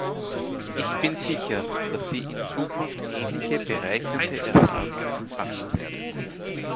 Ich bin sicher, dass Sie in Zukunft ähnlich bereichernde Erfahrungen machen werden.